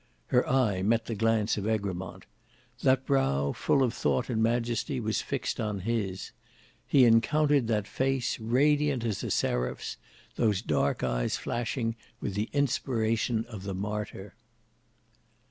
Her eye met the glance of Egremont. That brow full of thought and majesty was fixed on his. He encountered that face radiant as a seraph's; those dark eyes flashing with the inspiration of the martyr.